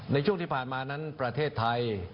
ในช่วงที่ผ่านมานั้นประเทศไทย